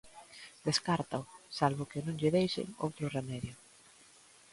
Descártao, salvo que non lle deixen outro remedio.